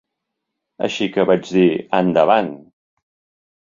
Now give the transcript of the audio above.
Així que vaig dir "Endavant!"